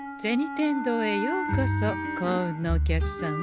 天堂へようこそ幸運のお客様。